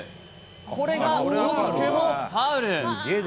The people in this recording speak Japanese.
これが惜しくもファウル。